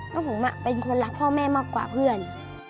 แล้วผมเป็นคนรักพ่อแม่มากกว่าเพื่อน